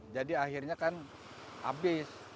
jadi akhirnya kan habis